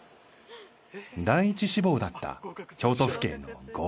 第一志望だった京都府警の合格通知書。